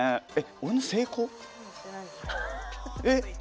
俺の成功？